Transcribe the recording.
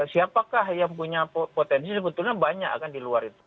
siapakah yang punya potensi sebetulnya banyak kan di luar itu